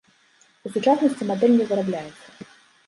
У сучаснасці мадэль не вырабляецца.